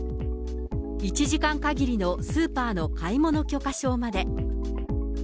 １時間限りのスーパーの買い物許可証まで。